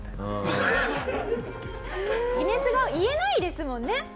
ギネス側言えないですもんね。